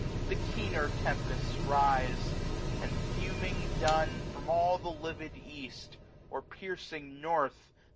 The keener tempests rise : and fuming dun From all the livid east, or piercing north.